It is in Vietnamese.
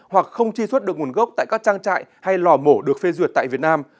hoặc không truy xuất được nguồn gốc tại các trang trại hay lò mổ được phê duyệt tại việt nam